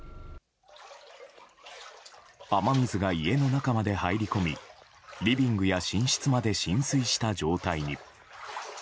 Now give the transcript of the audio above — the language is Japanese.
雨水が家の中まで入り込みリビングや寝室まで浸水した状態に。